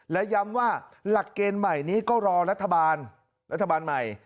และย้ำว่าหลักเกณฑ์ใหม่นี้ก็รอรัฐบาลรัฐบาลใหม่